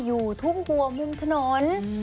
อยู่ทุ่งบัวมุมถนน